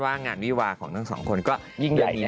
ว่างานวิวากล์ของทั้งสองคนก็ยิ่งใหญ่แน่หะ